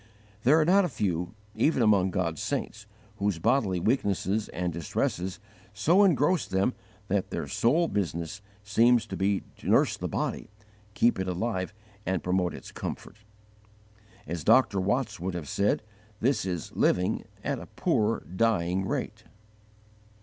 There are not a few, even among God's saints, whose bodily weaknesses and distresses so engross them that their sole business seems to be to nurse the body, keep it alive and promote its comfort. As Dr. Watts would have said, this is living "at a poor dying rate."